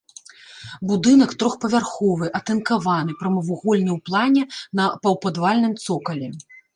Будынак трохпавярховы, атынкаваны, прамавугольны ў плане, на паўпадвальным цокалі.